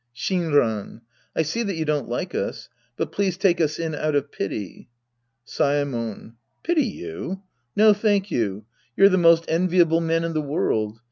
Shinran. I see that you don't like us'. But please take us in out of pity. Saemon. Pity you ? No, thank you. You're the most enviable men in the world.